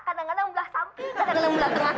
kadang kadang belah samping kadang kadang belah tengah